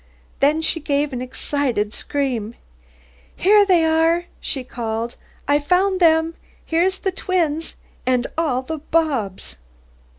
Then she gave an excited scream. "Heah they are!" she called. "I've found them! Heah's the twins, and all the Bobs!"